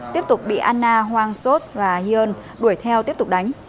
tiếp tục bị anna hoang sos và hiên đuổi theo tiếp tục đánh